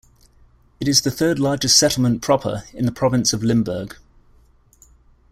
It is the third largest settlement proper in the province of Limburg.